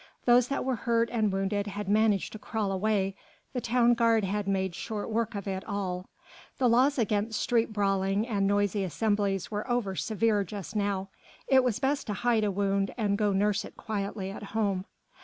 Those that were hurt and wounded had managed to crawl away, the town guard had made short work of it all; the laws against street brawling and noisy assemblies were over severe just now; it was best to hide a wound and go nurse it quietly at home.